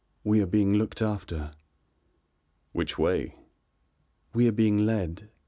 We are being looked after." "Which way?" "We are being led.